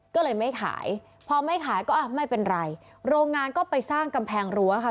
ก็เลยไม่ขายพอไม่ขายก็อ่ะไม่เป็นไรโรงงานก็ไปสร้างกำแพงรั้วค่ะ